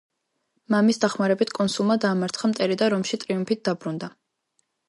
მამის დახმარებით კონსულმა დაამარცხა მტერი და რომში ტრიუმფით დაბრუნდა.